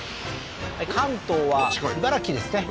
関東は茨城ですね